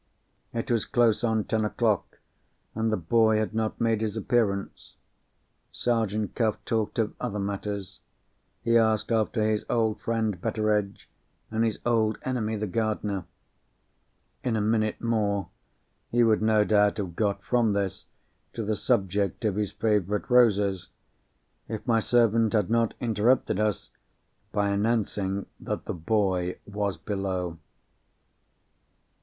It was close on ten o'clock, and the boy had not made his appearance. Sergeant Cuff talked of other matters. He asked after his old friend Betteredge, and his old enemy the gardener. In a minute more, he would no doubt have got from this, to the subject of his favourite roses, if my servant had not interrupted us by announcing that the boy was below.